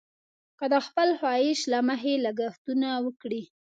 که د خپل خواهش له مخې لګښتونه وکړي.